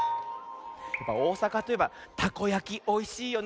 おおさかといえばたこやきおいしいよね。